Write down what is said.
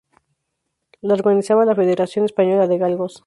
Lo organizaba la Federación Española de Galgos.